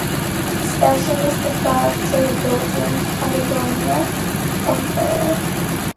The station was the third to be built in Caledonia, Ontario.